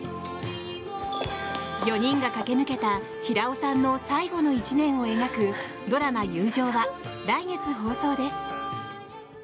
４人が駆け抜けた平尾さんの最後の１年を描くドラマ「友情」は来月放送です。